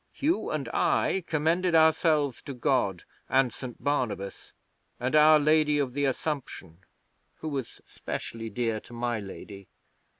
Hugh and I commended ourselves to God, and Saint Barnabas, and Our Lady of the Assumption, who was specially dear to my Lady.